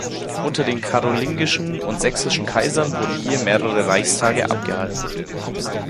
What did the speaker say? Unter den karolingischen und sächsischen Kaisern wurden hier mehrere Reichstage abgehalten.